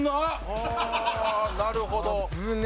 ああなるほど。